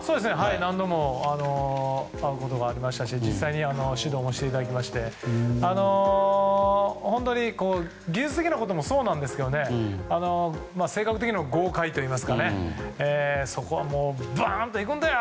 何度も会うことがありましたし実際に指導もしていただいて本当に技術的なこともそうですが性格的にも豪快といいますかそこはバーンといくんだよ！